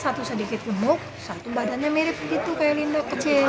satu sedikit gemuk satu badannya mirip gitu kayak linda kecil